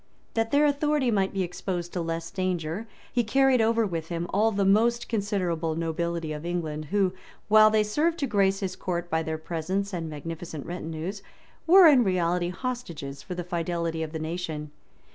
That their authority might be exposed to less danger, he carried over with him all the most considerable nobility of England, who, while they served to grace his court by their presence and magnificent retinues, were in reality hostages for the fidelity of the nation.